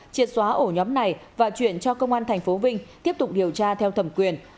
triệt xóa ổ nhóm này và chuyển cho công an tp vinh tiếp tục điều tra theo thẩm quyền